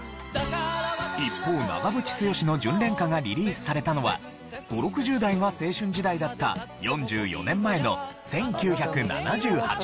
一方長渕剛の『巡恋歌』がリリースされたのは５０６０代が青春時代だった４４年前の１９７８年。